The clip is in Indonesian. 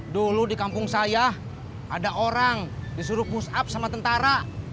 dulu di kampung saya ada orang disuruh push up sama tentara